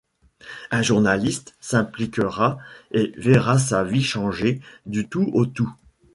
Un journaliste s'impliquera et verra sa vie changer du tout au tout.